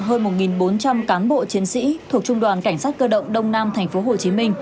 hơn một bốn trăm linh cán bộ chiến sĩ thuộc trung đoàn cảnh sát cơ động đông nam tp hcm